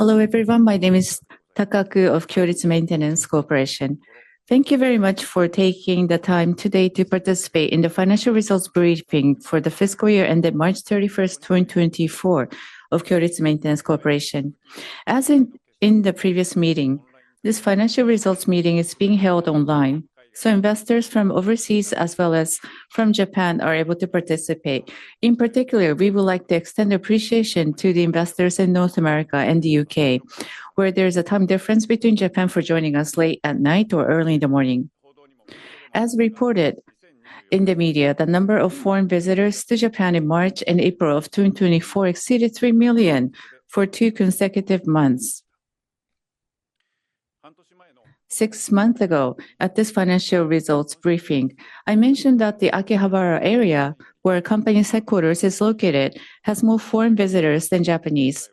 Hello, everyone. My name is Takaku of Kyoritsu Maintenance Co., Ltd. Thank you very much for taking the time today to participate in the financial results briefing for the fiscal year ended March 31, 2024 of Kyoritsu Maintenance Co., Ltd. As in the previous meeting, this financial results meeting is being held online, so investors from overseas as well as from Japan are able to participate. In particular, we would like to extend appreciation to the investors in North America and the U.K., where there's a time difference between Japan, for joining us late at night or early in the morning. As reported in the media, the number of foreign visitors to Japan in March and April of 2024 exceeded 3 million for two consecutive months. Six months ago, at this financial results briefing, I mentioned that the Akihabara area, where our company's headquarters is located, has more foreign visitors than Japanese.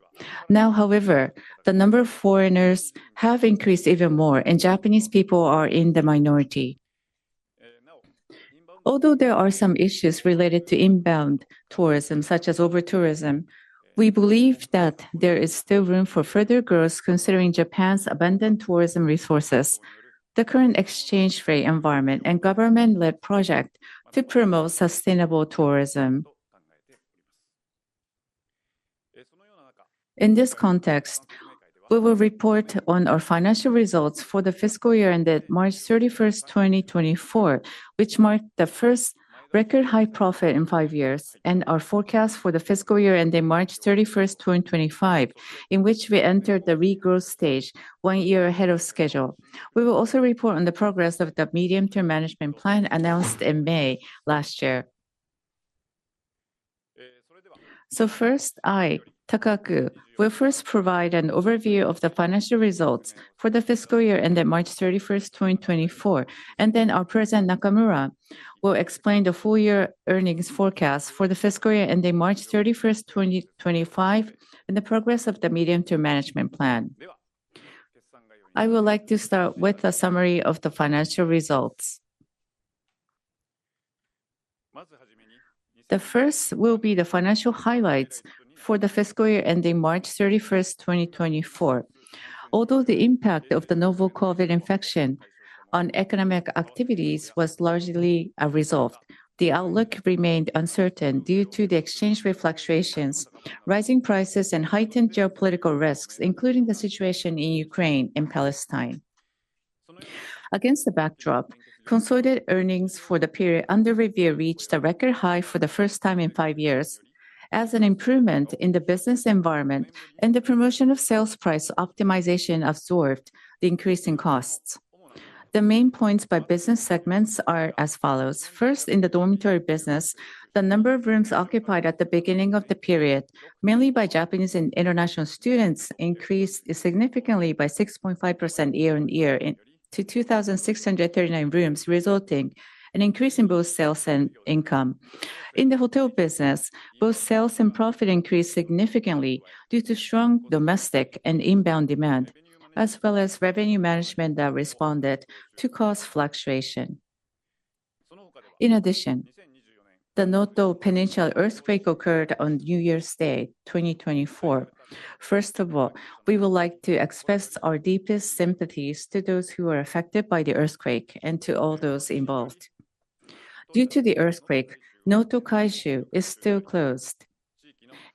Now, however, the number of foreigners have increased even more, and Japanese people are in the minority. Although there are some issues related to inbound tourism, such as over-tourism, we believe that there is still room for further growth considering Japan's abundant tourism resources, the current exchange rate environment, and government-led project to promote sustainable tourism. In this context, we will report on our financial results for the fiscal year ended March 31, 2024, which marked the first record high profit in five years, and our forecast for the fiscal year ending March 31, 2025, in which we entered the regrowth stage one year ahead of schedule. We will also report on the progress of the medium-term management plan announced in May last year. So first, I, Takaku, will first provide an overview of the financial results for the fiscal year ended March 31, 2024, and then our President, Nakamura, will explain the full year earnings forecast for the fiscal year ending March 31, 2025, and the progress of the medium-term management plan. I would like to start with a summary of the financial results. The first will be the financial highlights for the fiscal year ending March 31, 2024. Although the impact of the novel COVID infection on economic activities was largely resolved, the outlook remained uncertain due to the exchange rate fluctuations, rising prices, and heightened geopolitical risks, including the situation in Ukraine and Palestine. Against the backdrop, consolidated earnings for the period under review reached a record high for the first time in five years as an improvement in the business environment and the promotion of sales price optimization absorbed the increase in costs. The main points by business segments are as follows: First, in the dormitory business, the number of rooms occupied at the beginning of the period, mainly by Japanese and international students, increased significantly by 6.5% year-on-year into 2,639 rooms, resulting in increase in both sales and income. In the hotel business, both sales and profit increased significantly due to strong domestic and inbound demand, as well as revenue management that responded to cost fluctuation. In addition, the Noto Peninsula earthquake occurred on New Year's Day, 2024. First of all, we would like to express our deepest sympathies to those who were affected by the earthquake and to all those involved. Due to the earthquake, Shirasagi-no-Yu Noto Kaishu is still closed,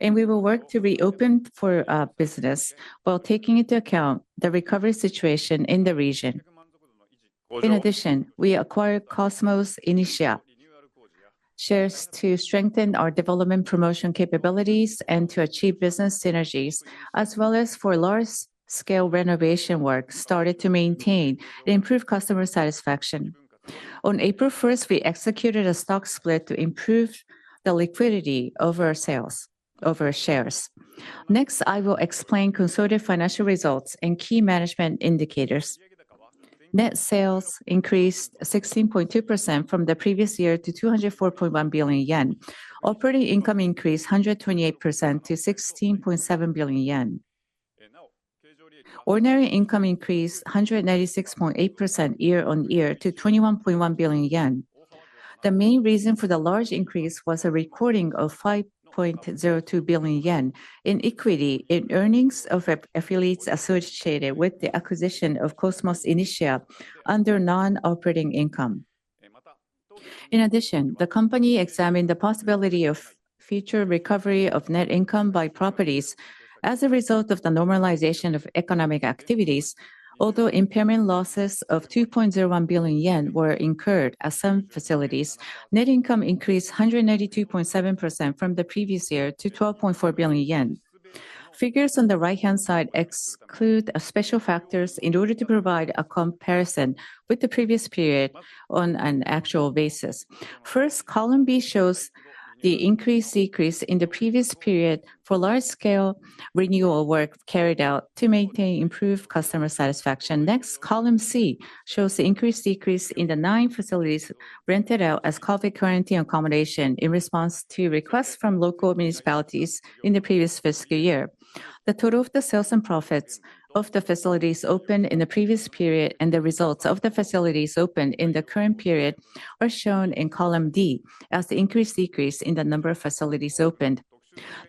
and we will work to reopen for business while taking into account the recovery situation in the region. In addition, we acquired Cosmos Initia shares to strengthen our development promotion capabilities and to achieve business synergies, as well as for large-scale renovation work started to maintain and improve customer satisfaction. On April 1, we executed a stock split to improve the liquidity of our shares. Next, I will explain consolidated financial results and key management indicators. Net sales increased 16.2% from the previous year to 204.1 billion yen. Operating income increased 128% to 16.7 billion yen. Ordinary income increased 196.8% year-on-year to 21.1 billion yen. The main reason for the large increase was a recording of 5.02 billion yen in equity in earnings of affiliates associated with the acquisition of Cosmos Initia under non-operating income. In addition, the company examined the possibility of future recovery of net income by properties as a result of the normalization of economic activities. Although impairment losses of 2.01 billion yen were incurred at some facilities, net income increased 192.7% from the previous year to 12.4 billion yen. Figures on the right-hand side exclude special factors in order to provide a comparison with the previous period on an actual basis. First, column B shows the increase/decrease in the previous period for large-scale renewal work carried out to maintain improved customer satisfaction. Next, column C shows the increase/decrease in the 9 facilities rented out as COVID quarantine accommodation in response to requests from local municipalities in the previous fiscal year. The total of the sales and profits of the facilities opened in the previous period and the results of the facilities opened in the current period are shown in column D as the increase/decrease in the number of facilities opened....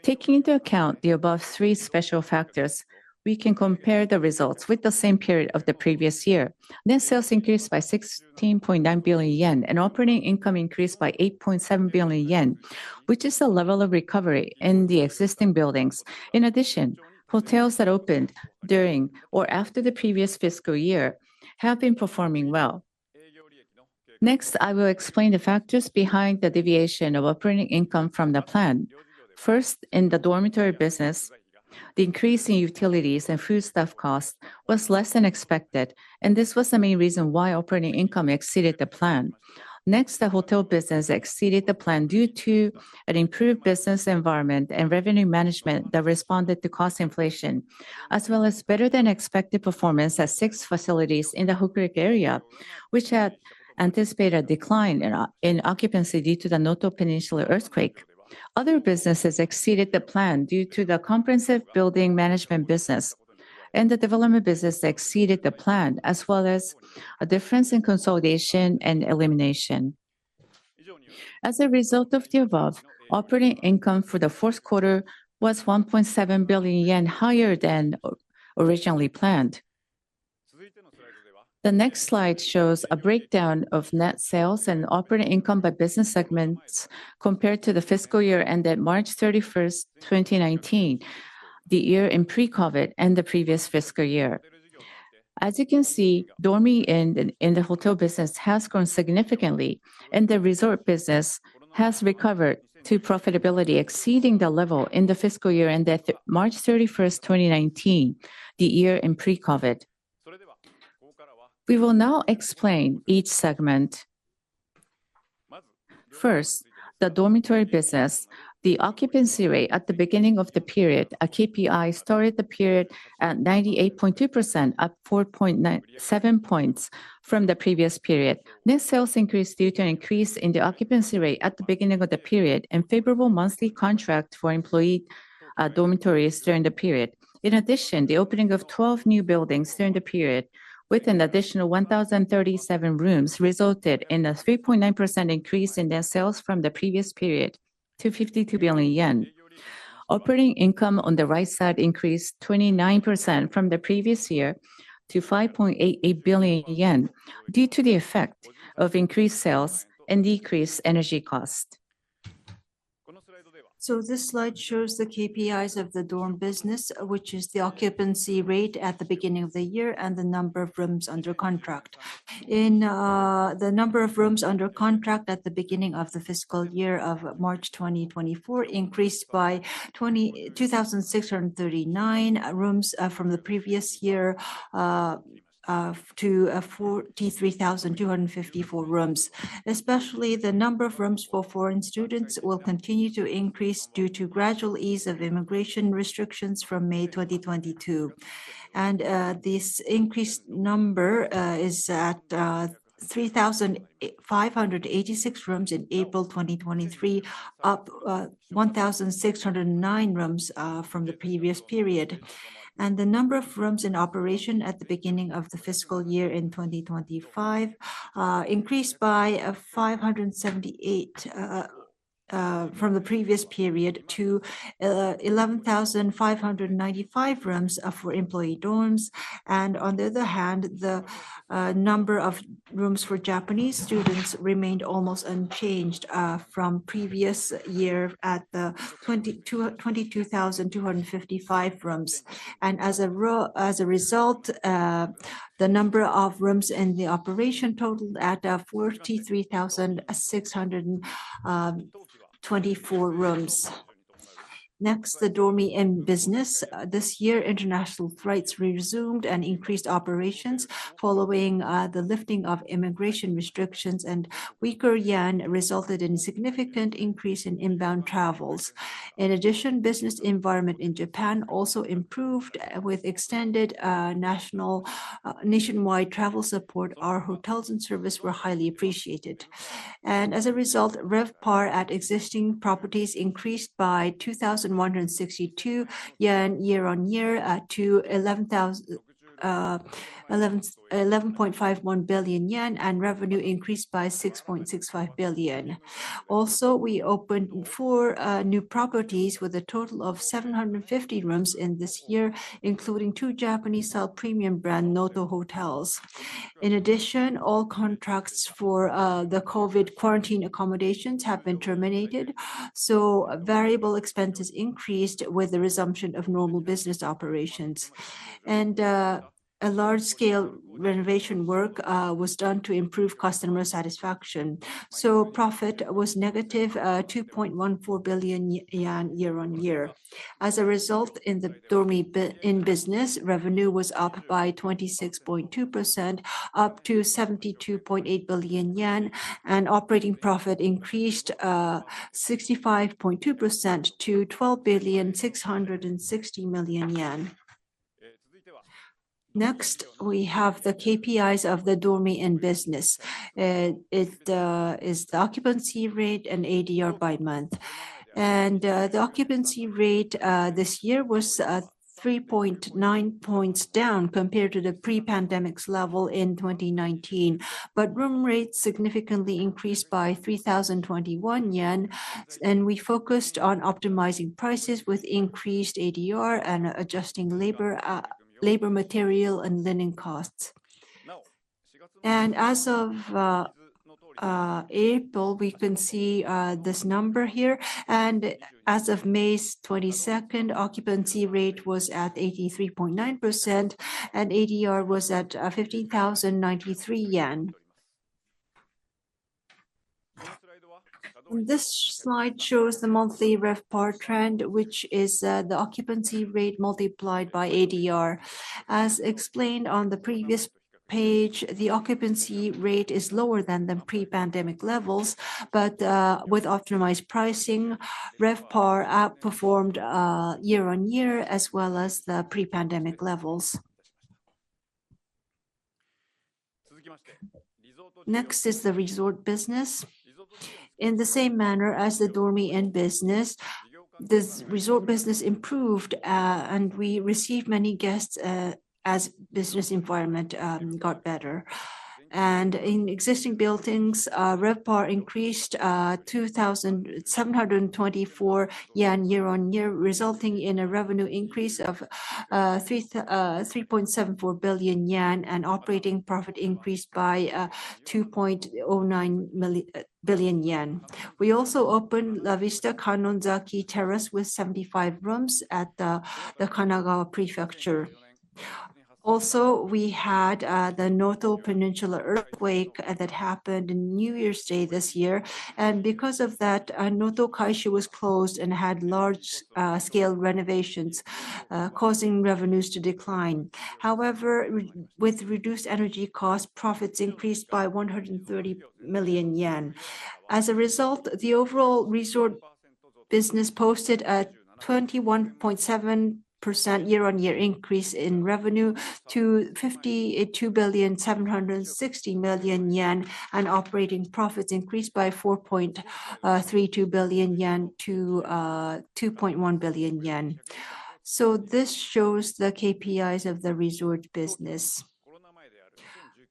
Taking into account the above three special factors, we can compare the results with the same period of the previous year. Net sales increased by 16.9 billion yen, and operating income increased by 8.7 billion yen, which is the level of recovery in the existing buildings. In addition, hotels that opened during or after the previous fiscal year have been performing well. Next, I will explain the factors behind the deviation of operating income from the plan. First, in the dormitory business, the increase in utilities and foodstuff costs was less than expected, and this was the main reason why operating income exceeded the plan. Next, the hotel business exceeded the plan due to an improved business environment and revenue management that responded to cost inflation, as well as better-than-expected performance at six facilities in the Hokuriku area, which had anticipated a decline in occupancy due to the Noto Peninsula earthquake. Other businesses exceeded the plan due to the comprehensive building management business, and the development business exceeded the plan, as well as a difference in consolidation and elimination. As a result of the above, operating income for the fourth quarter was 1.7 billion yen higher than originally planned. The next slide shows a breakdown of net sales and operating income by business segments compared to the fiscal year ended March 31, 2019, the year in pre-COVID, and the previous fiscal year. As you can see, Dormy Inn in the hotel business has grown significantly, and the resort business has recovered to profitability, exceeding the level in the fiscal year ended March 31, 2019, the year in pre-COVID. We will now explain each segment. First, the dormitory business. The occupancy rate at the beginning of the period, a KPI, started the period at 98.2%, up 7 points from the previous period. Net sales increased due to an increase in the occupancy rate at the beginning of the period and favorable monthly contract for employee dormitories during the period. In addition, the opening of 12 new buildings during the period, with an additional 1,037 rooms, resulted in a 3.9% increase in net sales from the previous period to 52 billion yen. Operating income on the right side increased 29% from the previous year to 5.88 billion yen due to the effect of increased sales and decreased energy cost. So this slide shows the KPIs of the dorm business, which is the occupancy rate at the beginning of the year and the number of rooms under contract. In the number of rooms under contract at the beginning of the fiscal year of March 2024 increased by 2,639 rooms from the previous year to 43,254 rooms. Especially, the number of rooms for foreign students will continue to increase due to gradual ease of immigration restrictions from May 2022. This increased number is at 3,586 rooms in April 2023, up 1,609 rooms from the previous period. The number of rooms in operation at the beginning of the fiscal year in 2025 increased by 578 from the previous period to 11,595 rooms for employee dorms. On the other hand, the number of rooms for Japanese students remained almost unchanged from previous year at 22,255 rooms. As a result, the number of rooms in operation totaled at 43,624 rooms. Next, the Dormy Inn business. This year, international flights resumed and increased operations following the lifting of immigration restrictions, and weaker yen resulted in significant increase in inbound travels. In addition, business environment in Japan also improved with extended nationwide travel support. Our hotels and service were highly appreciated. And as a result, RevPAR at existing properties increased by 2,162 yen year-on-year to 11,115.1 yen, and revenue increased by 6.65 billion. Also, we opened 4 new properties with a total of 750 rooms in this year, including two Japanese-style premium brand Onyado Nono. In addition, all contracts for the COVID quarantine accommodations have been terminated, so variable expenses increased with the resumption of normal business operations. A large-scale renovation work was done to improve customer satisfaction, so profit was negative 2.14 billion yen year-on-year. As a result, in the Dormy Inn business, revenue was up by 26.2%, up to 72.8 billion yen, and operating profit increased 65.2% to 12.66 billion. Next, we have the KPIs of the Dormy Inn business. It is the occupancy rate and ADR by month. The occupancy rate this year was 3.9 points down compared to the pre-pandemics level in 2019. But room rates significantly increased by 3,021 yen, and we focused on optimizing prices with increased ADR and adjusting labor, material, and linen costs. As of April, we can see this number here, and as of May 22nd, occupancy rate was at 83.9%, and ADR was at 15,093 yen. This slide shows the monthly RevPAR trend, which is the occupancy rate multiplied by ADR. As explained on the previous page, the occupancy rate is lower than the pre-pandemic levels, but with optimized pricing, RevPAR outperformed year-on-year as well as the pre-pandemic levels. Next is the resort business. In the same manner as the Dormy Inn business, this resort business improved, and we received many guests as business environment got better. In existing buildings, RevPAR increased 2,724 yen year-on-year, resulting in a revenue increase of 3.74 billion yen, and operating profit increased by 2.09 billion yen. We also opened La Vista Kannonzaki Terrace with 75 rooms in Kanagawa Prefecture. Also, we had the Noto Peninsula earthquake that happened on New Year's Day this year, and because of that, Noto Kaishu was closed and had large-scale renovations, causing revenues to decline. However, with reduced energy costs, profits increased by 130 million yen. As a result, the overall resort business posted a 21.7% year-on-year increase in revenue to 52.76 billion, and operating profits increased by 4.32 billion yen to 2.1 billion yen. So this shows the KPIs of the resort business.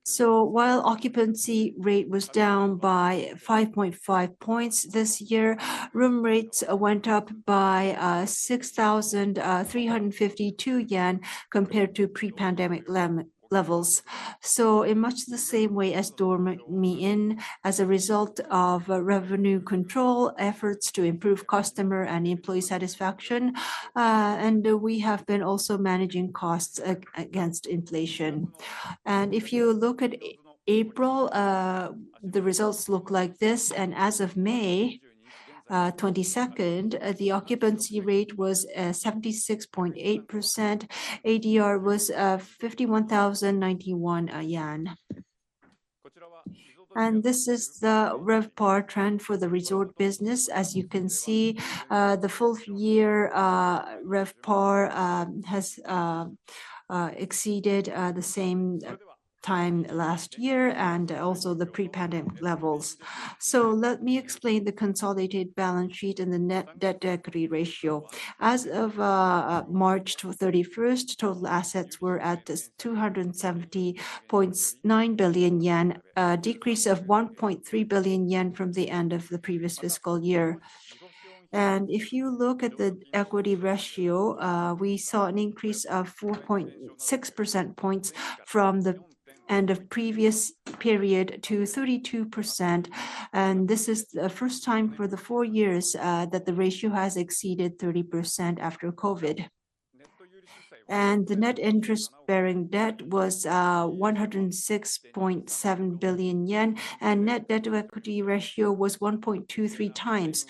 So while occupancy rate was down by 5.5 points this year, room rates went up by 6,352 yen compared to pre-pandemic levels. So in much the same way as Dormy Inn, as a result of revenue control, efforts to improve customer and employee satisfaction, and we have been also managing costs against inflation. And if you look at April, the results look like this, and as of May 22, the occupancy rate was 76.8%. ADR was 51,091 yen. This is the RevPAR trend for the resort business. As you can see, the full year RevPAR has exceeded the same time last year and also the pre-pandemic levels. So let me explain the consolidated balance sheet and the net debt to equity ratio. As of March 31, total assets were at 270.9 billion yen, a decrease of 1.3 billion yen from the end of the previous fiscal year. If you look at the equity ratio, we saw an increase of 4.6 percentage points from the end of previous period to 32%, and this is the first time for the four years that the ratio has exceeded 30% after COVID. The net interest-bearing debt was 106.7 billion yen, and net debt to equity ratio was 1.23x.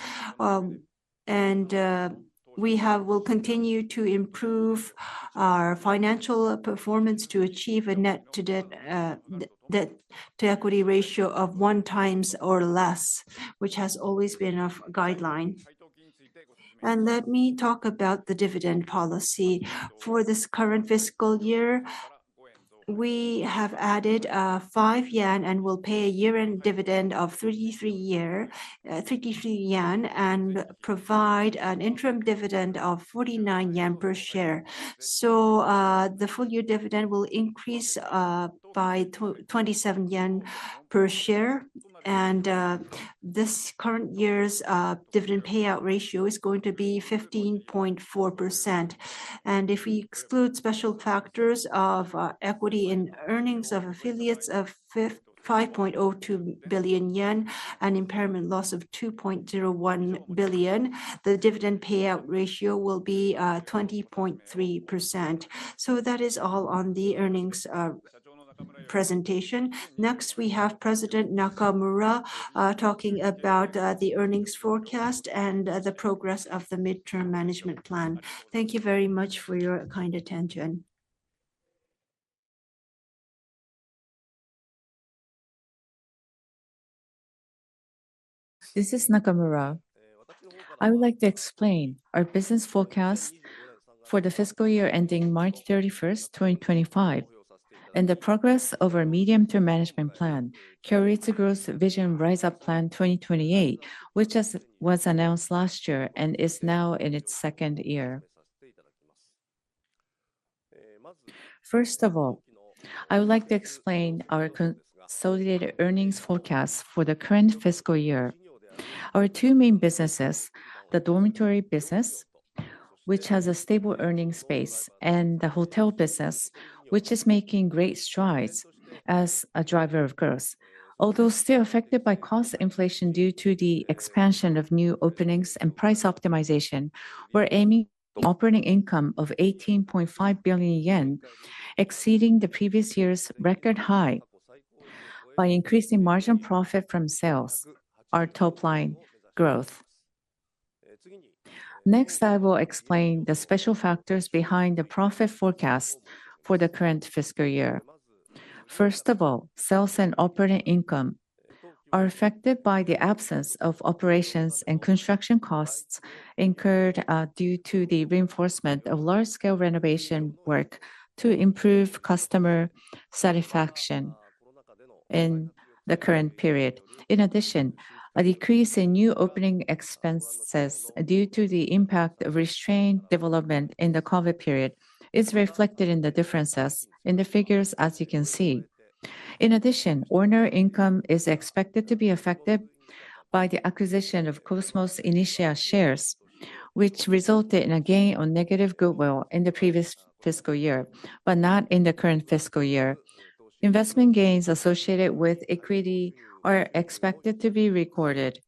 We'll continue to improve our financial performance to achieve a net debt to equity ratio of 1x or less, which has always been our guideline. Let me talk about the dividend policy. For this current fiscal year, we have added 5 yen and will pay a year-end dividend of 33 yen, and provide an interim dividend of 49 yen per share. The full year dividend will increase by 27 yen per share, and this current year's dividend payout ratio is going to be 15.4%. And if we exclude special factors of equity in earnings of affiliates of 5.02 billion yen and impairment loss of 2.01 billion JPY, the dividend payout ratio will be 20.3%. So that is all on the earnings presentation. Next, we have President Nakamura talking about the earnings forecast and the progress of the midterm management plan. Thank you very much for your kind attention. This is Nakamura. I would like to explain our business forecast for the fiscal year ending March 31, 2025, and the progress of our medium-term management plan, Kyoritsu Growth Vision Rise Up Plan 2028, which just was announced last year and is now in its second year. First of all, I would like to explain our consolidated earnings forecast for the current fiscal year. Our two main businesses, the dormitory business, which has a stable earning space, and the hotel business, which is making great strides as a driver of growth. Although still affected by cost inflation due to the expansion of new openings and price optimization, we're aiming operating income of 18.5 billion yen, exceeding the previous year's record high by increasing margin profit from sales, our top line growth. Next, I will explain the special factors behind the profit forecast for the current fiscal year. First of all, sales and operating income are affected by the absence of operations and construction costs incurred due to the reinforcement of large-scale renovation work to improve customer satisfaction in the current period. In addition, a decrease in new opening expenses due to the impact of restrained development in the COVID period is reflected in the differences in the figures, as you can see. In addition, ordinary income is expected to be affected by the acquisition of Cosmos Initia shares, which resulted in a gain on negative goodwill in the previous fiscal year, but not in the current fiscal year. Investment gains associated with equity are expected to be recorded.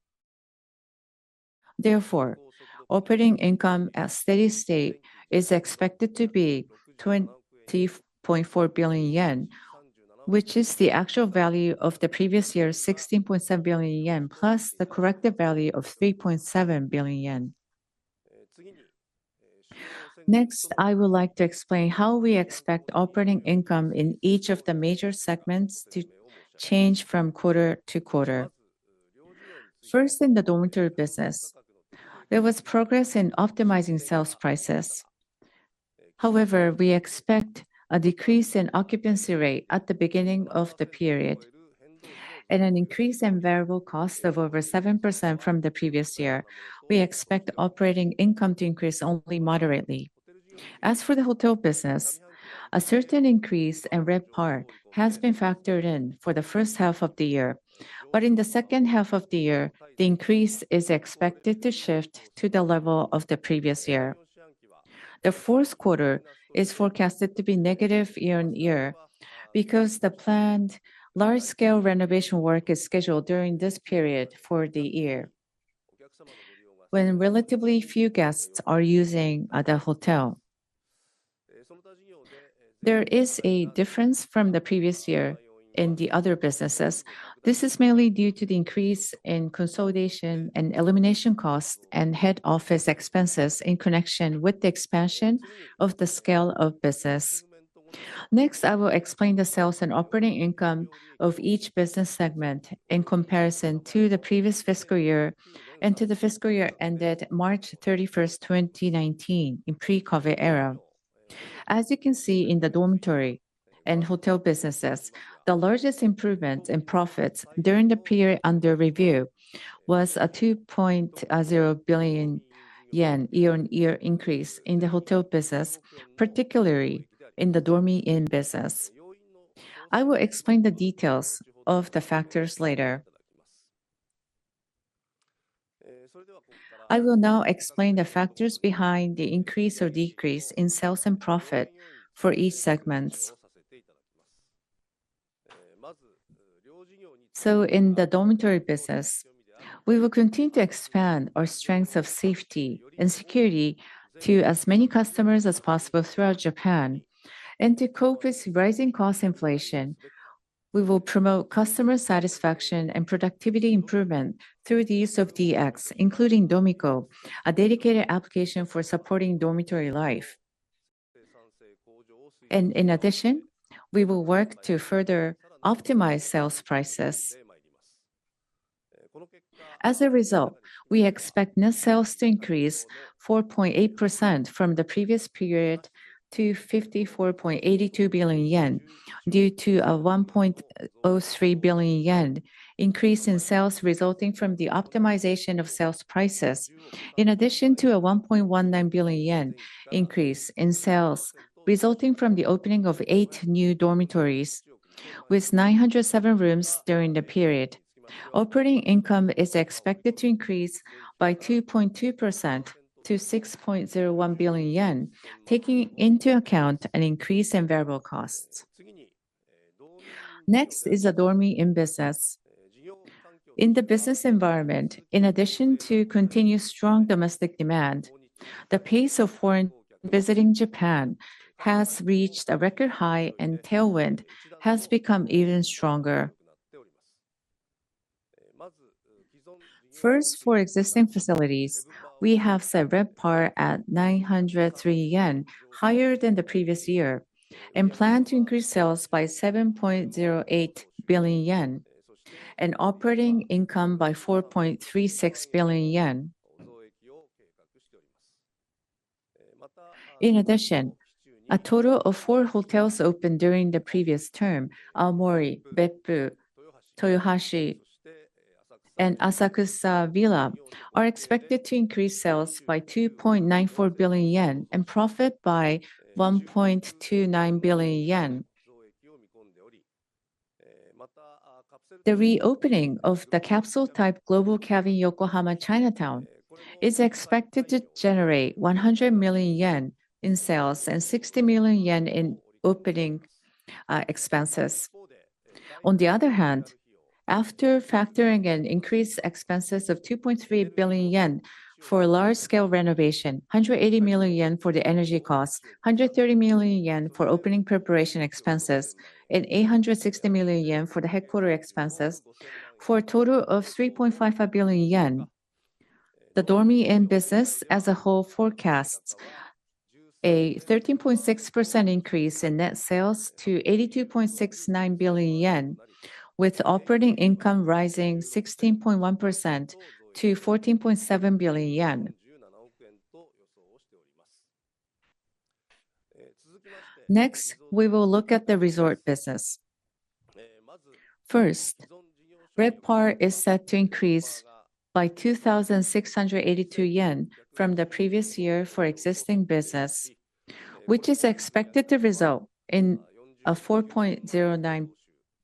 Therefore, operating income at steady state is expected to be 20.4 billion yen, which is the actual value of the previous year's 16.7 billion yen, plus the corrected value of 3.7 billion yen. Next, I would like to explain how we expect operating income in each of the major segments to change from quarter to quarter. First, in the dormitory business, there was progress in optimizing sales prices. However, we expect a decrease in occupancy rate at the beginning of the period and an increase in variable costs of over 7% from the previous year. We expect operating income to increase only moderately. As for the hotel business, a certain increase in RevPAR has been factored in for the first half of the year. But in the second half of the year, the increase is expected to shift to the level of the previous year. The fourth quarter is forecasted to be negative year-on-year because the planned large-scale renovation work is scheduled during this period for the year, when relatively few guests are using the hotel. There is a difference from the previous year in the other businesses. This is mainly due to the increase in consolidation and elimination costs and head office expenses in connection with the expansion of the scale of business. Next, I will explain the sales and operating income of each business segment in comparison to the previous fiscal year and to the fiscal year ended March 31, 2019, in pre-COVID era. As you can see in the dormitory and hotel businesses, the largest improvement in profits during the period under review was a 2.0 billion yen year-on-year increase in the hotel business, particularly in the Dormy Inn business. I will explain the details of the factors later. I will now explain the factors behind the increase or decrease in sales and profit for each segments. So in the dormitory business, we will continue to expand our strength of safety and security to as many customers as possible throughout Japan. And to cope with rising cost inflation, we will promote customer satisfaction and productivity improvement through the use of DX, including Domico, a dedicated application for supporting dormitory life. And in addition, we will work to further optimize sales prices. As a result, we expect net sales to increase 4.8% from the previous period to 54.82 billion yen, due to a 1.03 billion yen increase in sales resulting from the optimization of sales prices, in addition to a 1.19 billion yen increase in sales resulting from the opening of 8 new dormitories with 907 rooms during the period. Operating income is expected to increase by 2.2% to 6.01 billion yen, taking into account an increase in variable costs. Next is the Dormy Inn business. In the business environment, in addition to continued strong domestic demand, the pace of foreigners visiting Japan has reached a record high, and tailwind has become even stronger. First, for existing facilities, we have set RevPAR at 903 yen, higher than the previous year, and plan to increase sales by 7.08 billion yen, and operating income by 4.36 billion yen.... In addition, a total of four hotels opened during the previous term, Aomori, Beppu, Toyohashi, and Asakusa Bettei, are expected to increase sales by 2.94 billion yen and profit by 1.29 billion yen. The reopening of the capsule-type Global Cabin Yokohama Chinatown is expected to generate 100 million yen in sales and 60 million yen in opening expenses. On the other hand, after factoring in increased expenses of 2.3 billion yen for a large-scale renovation, 180 million yen for the energy costs, 130 million yen for opening preparation expenses, and 860 million yen for the headquarters expenses, for a total of 3.55 billion yen, the Dormy Inn business as a whole forecasts a 13.6% increase in net sales to 82.69 billion yen, with operating income rising 16.1% to 14.7 billion yen. Next, we will look at the resort business. First, RevPAR is set to increase by 2,682 yen from the previous year for existing business, which is expected to result in a 4.09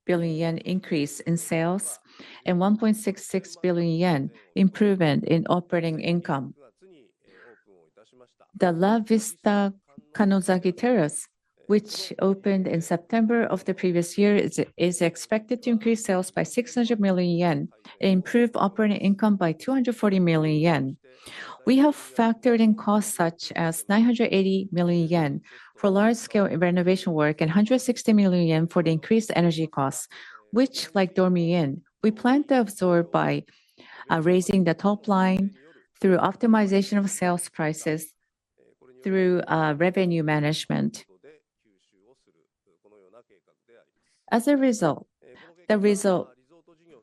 billion yen increase in sales and 1.66 billion yen improvement in operating income. The La Vista Kannonzaki Terrace, which opened in September of the previous year, is expected to increase sales by 600 million yen and improve operating income by 240 million yen. We have factored in costs such as 980 million yen for large-scale renovation work and 160 million yen for the increased energy costs, which, like Dormy Inn, we plan to absorb by raising the top line through optimization of sales prices through revenue management. As a result, the result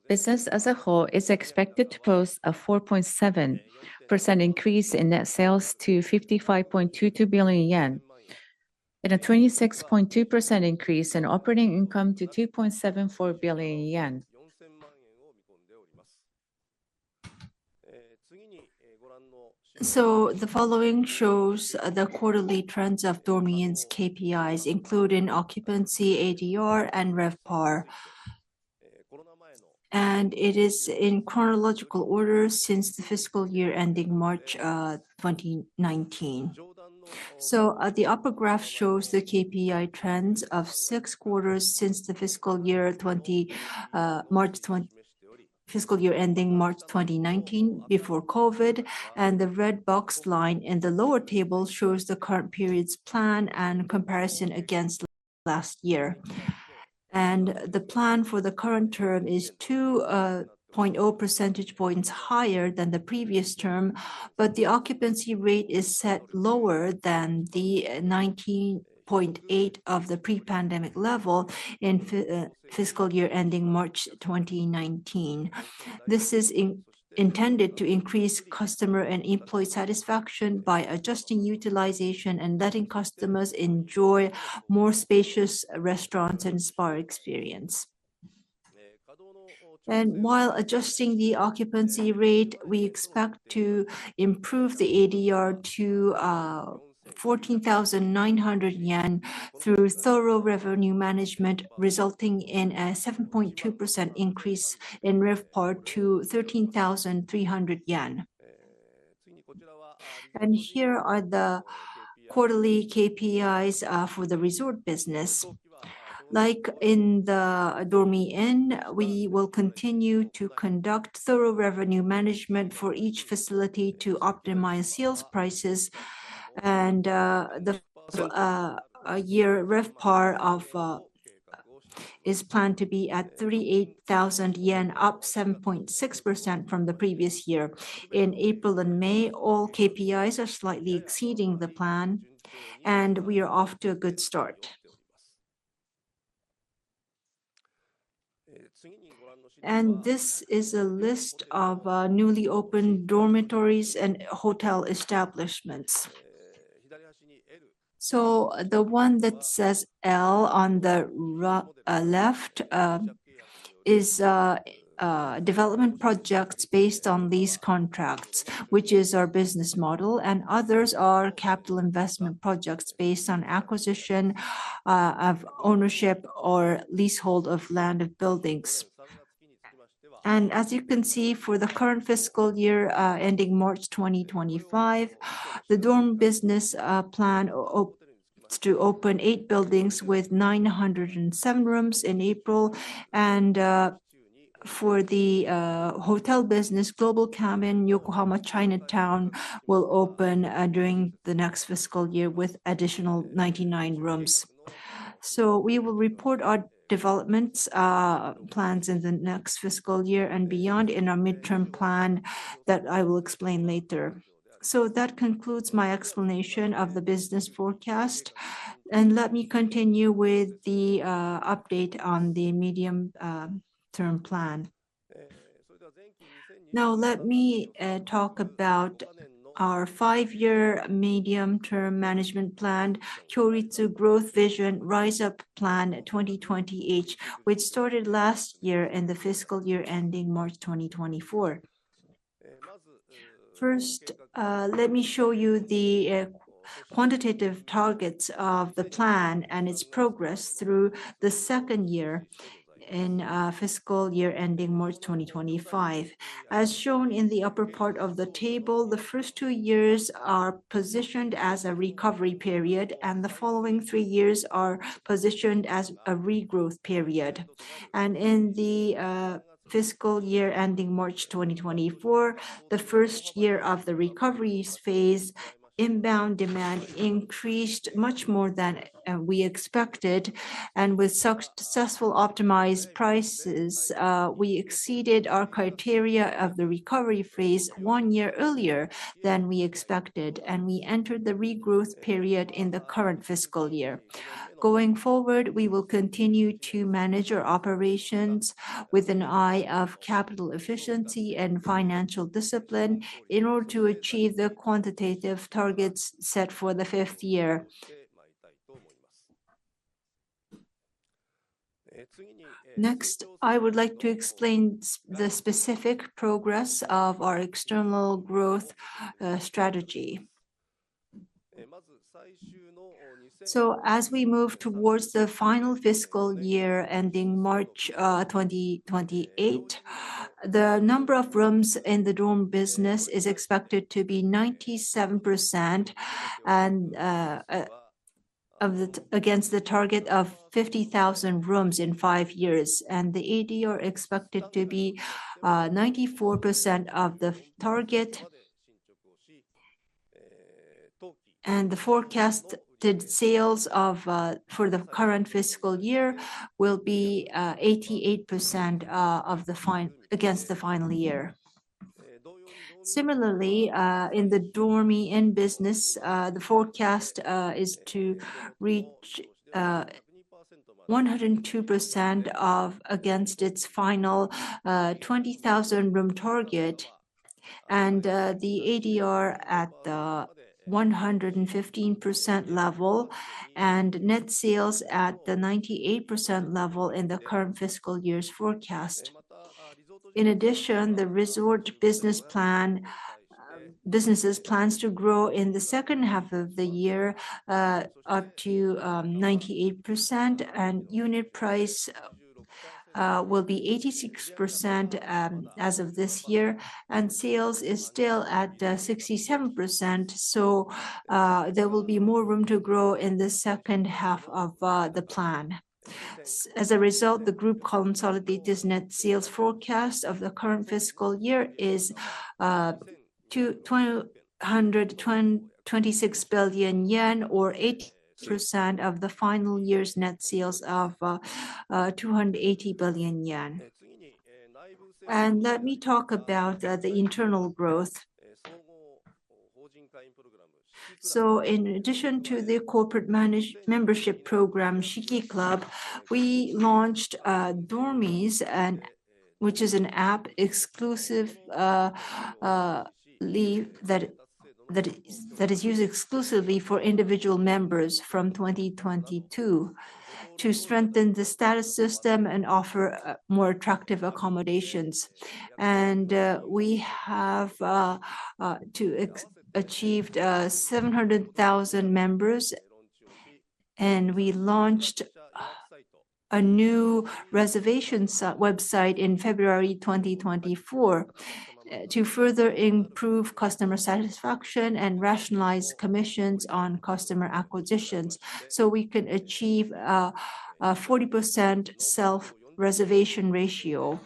business as a whole is expected to post a 4.7% increase in net sales to 55.22 billion yen and a 26.2% increase in operating income to 2.74 billion yen. The following shows the quarterly trends of Dormy Inn's KPIs, including occupancy, ADR, and RevPAR. It is in chronological order since the fiscal year ending March 2019. The upper graph shows the KPI trends of six quarters since the fiscal year ending March 2019, before COVID, and the red box line in the lower table shows the current period's plan and comparison against last year. The plan for the current term is 2.0 percentage points higher than the previous term, but the occupancy rate is set lower than the 19.8 of the pre-pandemic level in fiscal year ending March 2019. This is intended to increase customer and employee satisfaction by adjusting utilization and letting customers enjoy more spacious restaurants and spa experience. While adjusting the occupancy rate, we expect to improve the ADR to 14,900 yen through thorough revenue management, resulting in a 7.2% increase in RevPAR to JPY 13,300. Here are the quarterly KPIs for the resort business. Like in the Dormy Inn, we will continue to conduct thorough revenue management for each facility to optimize sales prices, and the year RevPAR is planned to be at 38,000 yen, up 7.6% from the previous year. In April and May, all KPIs are slightly exceeding the plan, and we are off to a good start. This is a list of newly opened dormitories and hotel establishments. So the one that says L on the left is development projects based on lease contracts, which is our business model, and others are capital investment projects based on acquisition of ownership or leasehold of land of buildings. As you can see, for the current fiscal year ending March 2025, the dorm business plan is to open 8 buildings with 907 rooms in April, and for the hotel business, Global Cabin Yokohama Chinatown will open during the next fiscal year with additional 99 rooms. We will report our development plans in the next fiscal year and beyond in our midterm plan that I will explain later. That concludes my explanation of the business forecast, and let me continue with the update on the medium-term plan... Now let me talk about our 5-year medium-term management plan, Kyoritsu Growth Vision Rise Up Plan 2028, which started last year in the fiscal year ending March 2024. First, let me show you the quantitative targets of the plan and its progress through the second year in fiscal year ending March 2025. As shown in the upper part of the table, the first two years are positioned as a recovery period, and the following three years are positioned as a regrowth period. In the fiscal year ending March 2024, the first year of the recovery phase, inbound demand increased much more than we expected, and with successful optimized prices, we exceeded our criteria of the recovery phase one year earlier than we expected, and we entered the regrowth period in the current fiscal year. Going forward, we will continue to manage our operations with an eye of capital efficiency and financial discipline in order to achieve the quantitative targets set for the fifth year. Next, I would like to explain the specific progress of our external growth strategy. So as we move towards the final fiscal year ending March 2028, the number of rooms in the dorm business is expected to be 97%, and of the-- against the target of 50,000 rooms in five years, and the ADR are expected to be 94% of the target. And the forecasted sales of for the current fiscal year will be 88% of the fin-- against the final year. Similarly, in the Dormy Inn business, the forecast is to reach 102% of against its final 20,000 room target, and the ADR at the 115% level, and net sales at the 98% level in the current fiscal year's forecast. In addition, the resort business plan, businesses plans to grow in the second half of the year, up to 98%, and unit price will be 86% as of this year, and sales is still at 67%, so there will be more room to grow in the second half of the plan. As a result, the group consolidated net sales forecast of the current fiscal year is 26 billion yen, or 80% of the final year's net sales of 280 billion yen. Let me talk about the internal growth. So in addition to the corporate membership program, Shiki Club, we launched Dormy's, and which is an app exclusive that is used exclusively for individual members from 2022 to strengthen the status system and offer more attractive accommodations. And we have achieved 700,000 members, and we launched a new reservation website in February 2024 to further improve customer satisfaction and rationalize commissions on customer acquisitions so we can achieve a 40% self-reservation ratio.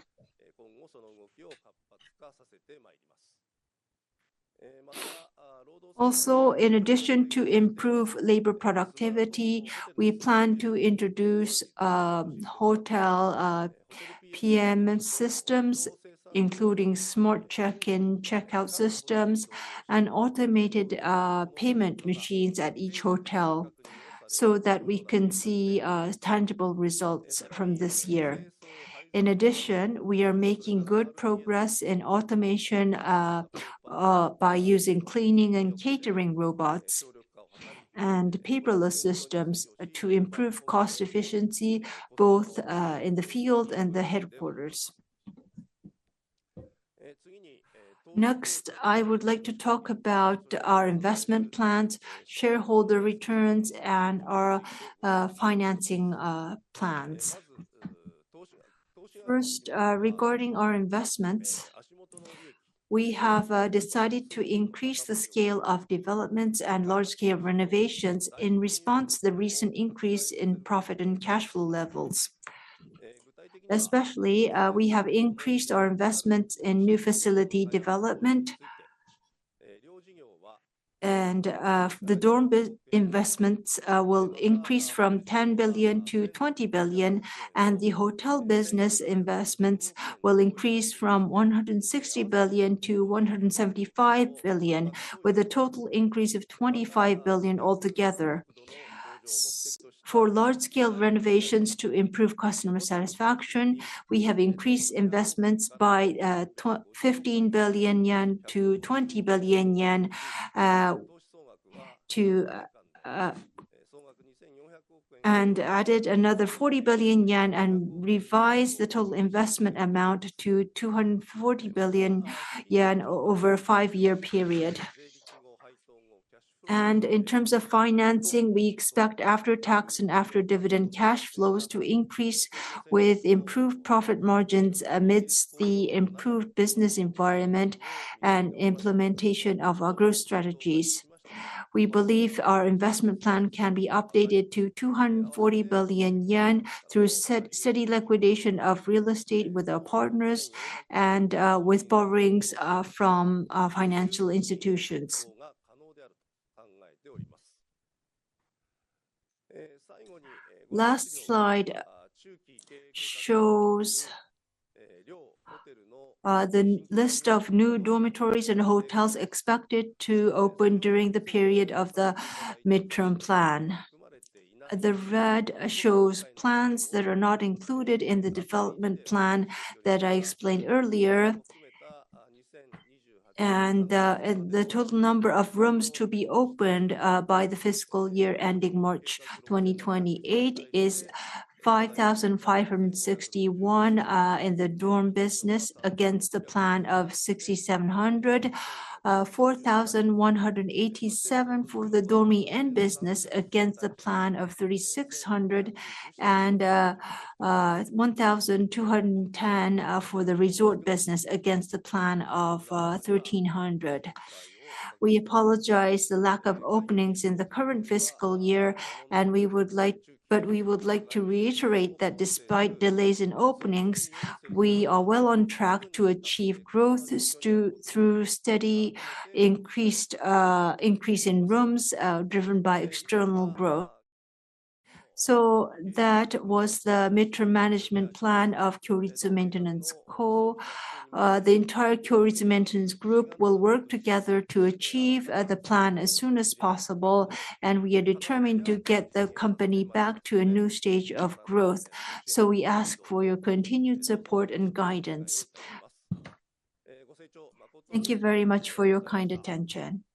Also, in addition to improved labor productivity, we plan to introduce hotel PM systems, including smart check-in, check-out systems and automated payment machines at each hotel so that we can see tangible results from this year. In addition, we are making good progress in automation by using cleaning and catering robots and paperless systems to improve cost efficiency, both in the field and the headquarters. Next, I would like to talk about our investment plans, shareholder returns, and our financing plans. First, regarding our investments, we have decided to increase the scale of development and large-scale renovations in response to the recent increase in profit and cash flow levels. Especially, we have increased our investment in new facility development. The dorm business investments will increase from 10 billion to 20 billion, and the hotel business investments will increase from 160 billion to 175 billion, with a total increase of 25 billion altogether. For large-scale renovations to improve customer satisfaction, we have increased investments by 15 billion yen to 20 billion yen, and added another 40 billion yen and revised the total investment amount to 240 billion yen over a five-year period. In terms of financing, we expect after-tax and after-dividend cash flows to increase with improved profit margins amidst the improved business environment and implementation of our growth strategies. We believe our investment plan can be updated to 240 billion yen through steady liquidation of real estate with our partners and with borrowings from financial institutions. Last slide shows the list of new dormitories and hotels expected to open during the period of the midterm plan. The red shows plans that are not included in the development plan that I explained earlier. The total number of rooms to be opened by the fiscal year ending March 2028 is 5,561 in the dorm business, against the plan of 6,700. 4,187 for the Dormy Inn business, against the plan of 3,600, and 1,210 for the resort business, against the plan of 1,300. We apologize the lack of openings in the current fiscal year, and we would like but we would like to reiterate that despite delays in openings, we are well on track to achieve growth through steady increased, increase in rooms, driven by external growth. So that was the midterm management plan of Kyoritsu Maintenance Co. The entire Kyoritsu Maintenance Group will work together to achieve the plan as soon as possible, and we are determined to get the company back to a new stage of growth. So we ask for your continued support and guidance. Thank you very much for your kind attention.